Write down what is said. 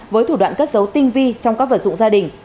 với thủ đoạn cất dấu tinh vi trong các vật dụng gia đình